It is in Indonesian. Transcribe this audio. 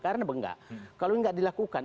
karena apa enggak kalau enggak dilakukan